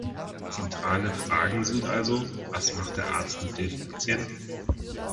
Zentrale Fragen sind also: Was macht der Arzt mit dem Patienten?